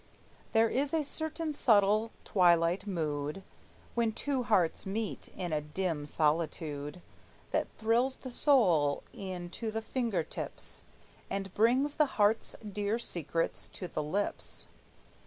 There is a certain subtle twilight mood, When two hearts meet in a dim solitude, That thrills the soul e'en to the finger tips, And brings the heart's dear secrets to the lips.